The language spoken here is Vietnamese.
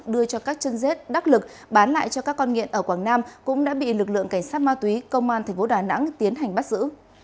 đưa cho các chân rết đắc lực bán lại cho các con nghiện ở quảng nam cũng đã bị lực lượng cảnh sát ma túy công an tp đà nẵng tiến hành bắt giữ